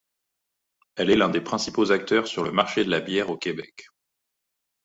Elle est l'un des principaux acteurs sur le marché de la bière au Québec.